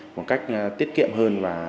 một cách tiết kiệm hơn